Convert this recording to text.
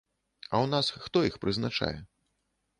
А у нас хто іх прызначае?